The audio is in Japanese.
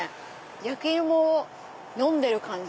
焼き芋を飲んでる感じ。